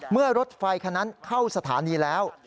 เมื่อรถไฟคันนั้นเข้าสถานีแล้ว